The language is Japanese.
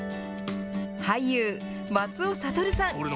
俳優、松尾諭さん。